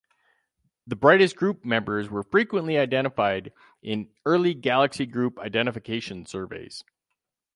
The brightest group members were frequently identified in early galaxy group identification surveys.